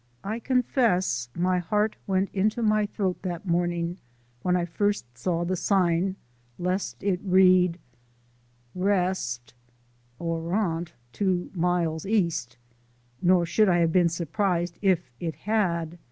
I confess my heart went into my throat that morning, when I first saw the sign, lest it read: [ RESTaurant 2 miles east ] nor should I have been surprised if it had.